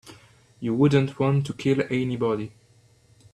You wouldn't want to kill anybody.